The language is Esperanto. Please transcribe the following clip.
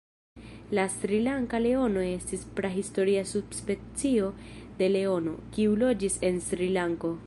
La Srilanka leono estis prahistoria subspecio de leono, kiu loĝis en Srilanko.